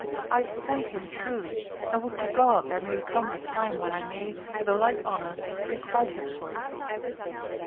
I thank him truly, and would to God there may come a time when I may, with the like honour, requite him for it.